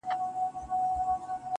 هره ورځ نوی فرصت دی.